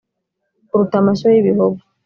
Kuruta amashyo y‘Ibihogo